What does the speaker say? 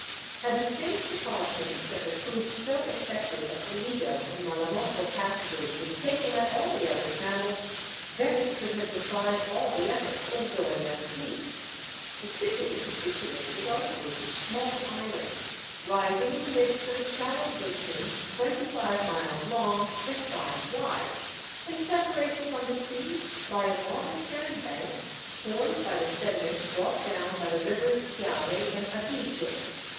Had the same precautions, that had proved so effective at the Lido and Malamocco passages, been taken at all the other channels; Venice could have defied all the efforts of Doria's fleet. The city is situated on a group of small islands, rising in the midst of a shallow basin twenty five miles long and five wide, and separated from the sea by a long sandbank, formed by the sediment brought down by the rivers Piave and Adige.